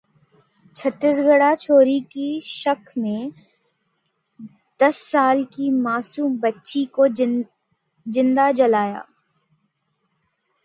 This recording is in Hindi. छत्तीसगढ़ः चोरी के शक में दस साल की मासूम बच्ची को जिंदा जलाया